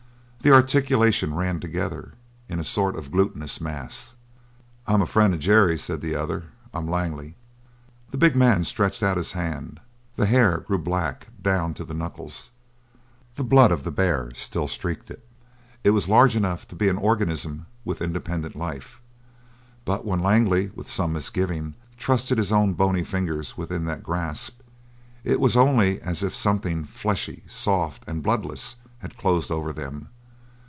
The articulation ran together in a sort of glutinous mass. "I'm a friend of Jerry's," said the other. "I'm Langley." The big man stretched out his hand. The hair grew black, down to the knuckles; the blood of the bear still streaked it; it was large enough to be an organism with independent life. But when Langley, with some misgiving, trusted his own bony fingers within that grasp, in was only as if something fleshy, soft, and bloodless had closed over them.